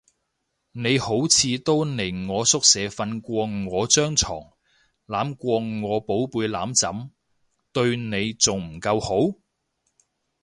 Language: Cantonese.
你好似都嚟我宿舍瞓過我張床，攬過我寶貝攬枕，對你仲唔夠好？